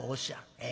ええ？